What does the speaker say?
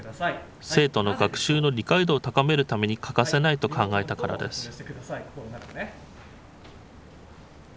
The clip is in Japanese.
生徒の学習の理解度を高めるために欠かせないと考えたからです。